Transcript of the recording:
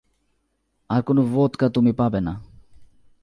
আর কোনো ভদকা তুমি পাবে না।